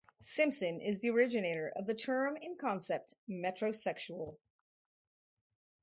Simpson is the originator of the term and concept metrosexual.